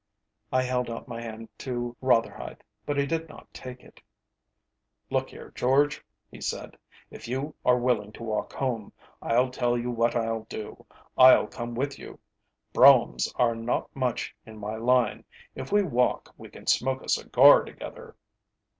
I held out my hand to Rotherhithe, but he did not take it. "Look here, George," he said, "if you are willing to walk home, I'll tell you what I'll do I'll come with you. Broughams are not much in my line. If we walk we can smoke a cigar together."